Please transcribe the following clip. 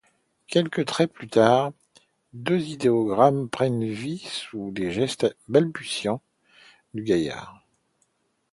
Quelques traits plus tard deux idéogrammes prennent vie sous les gestes balbutiants du gaillard.